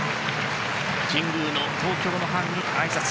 神宮の東京のファンに挨拶。